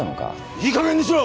いいかげんにしろ！